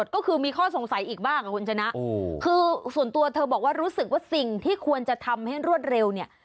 ก็คือมีข้อสงสัยอีกบ้างคุณชนะคือส่วนตัวเธอบอกว่ารู้สึกว่าสิ่งที่ควรจะทำให้รวดเร็วเนี่ย